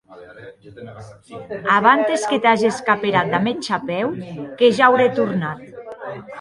Abantes que t'ages caperat damb eth chapèu que ja aurè tornat.